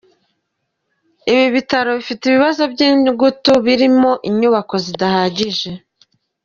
Ibi bitaro bifite ibibazo by’ingutu birimo inyubako zidahagije